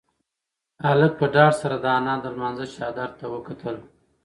هلک په ډار سره د انا د لمانځه چادر ته وکتل.